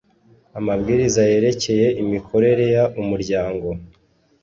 Amabwiriza yerekeye imikorere y umuryango